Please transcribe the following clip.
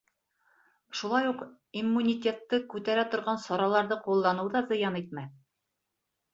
Шулай уҡ иммунитетты күтәрә торған сараларҙы ҡулланыу ҙа зыян итмәҫ.